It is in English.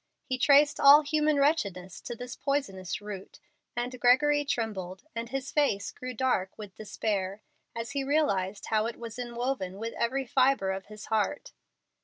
He traced all human wretchedness to this poisonous root, and Gregory trembled and his face grew dark with despair as he realized how it was inwoven with every fibre of his heart.